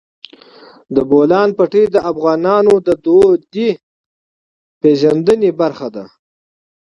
د بولان پټي د افغانانو د فرهنګي پیژندنې برخه ده.